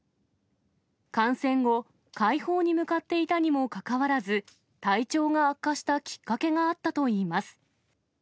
感染後、快方に向かっていたにもかかわらず、体調が悪化したきっかけがあったといいます。